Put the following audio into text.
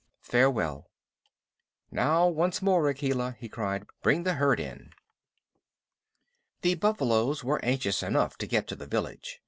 Farewell!" "Now, once more, Akela," he cried. "Bring the herd in." The buffaloes were anxious enough to get to the village.